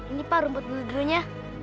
ini pak rumput beledronya